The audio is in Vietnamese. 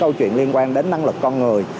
câu chuyện liên quan đến năng lực con người